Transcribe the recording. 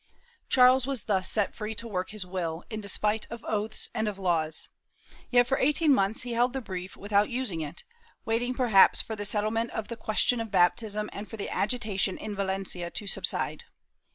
^ Charles was thus set free to work his will, in despite of oaths and of laws. Yet for eighteen months he held the brief without using it, waiting perhaps for the settlement of the question of baptism and for the agitation in Valencia to subside.